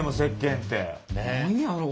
何やろう？